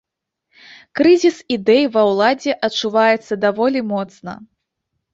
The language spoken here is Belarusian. Крызіс ідэй ва ўладзе адчуваецца даволі моцна.